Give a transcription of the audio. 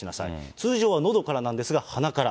通常はのどからなんですが鼻から。